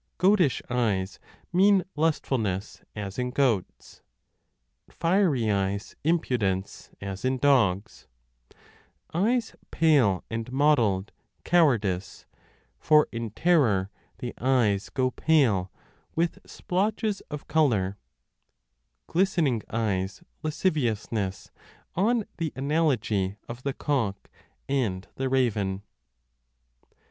Goatish 1 eyes mean lustful ness, as in goats : fiery eyes, impudence, as in dogs : eyes 10 pale and mottled, cowardice, for in terror the eyes go pale with splotches of colour : glistening eyes, lasciviousness, on the analogy of the cock and the raven.